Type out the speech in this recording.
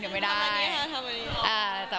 มีหลายท่า